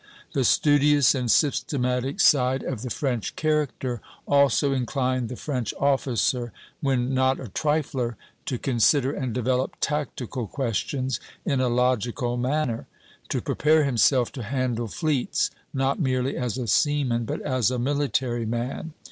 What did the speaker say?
The studious and systematic side of the French character also inclined the French officer, when not a trifler, to consider and develop tactical questions in a logical manner; to prepare himself to handle fleets, not merely as a seaman but as a military man.